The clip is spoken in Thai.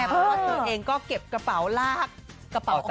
เพราะว่าเธอเองก็เก็บกระเป๋าลากกระเป๋าออก